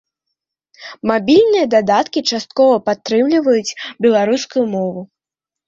Мабільныя дадаткі часткова падтрымліваюць беларускую мову.